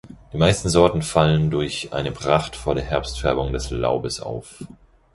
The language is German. Die meisten Sorten fallen durch eine prachtvolle Herbstfärbung des Laubes auf.